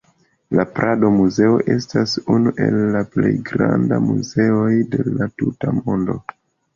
La Prado-Muzeo estas unu el la plej grandaj muzeoj de la tuta mondo.